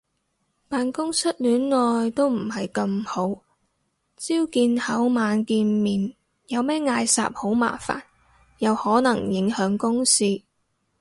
辦公室戀愛都唔係咁好，朝見口晚見面有咩嗌霎好麻煩，又可能影響公事